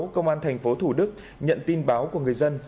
công an thành phố thủ đức nhận tin báo của người dân